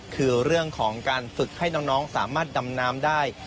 คือเรื่องของการฝึกให้น้องสามารถดำน้ำได้